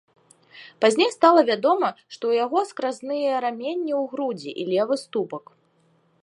Пазней стала вядома, што ў яго скразныя раненні ў грудзі і левы ступак.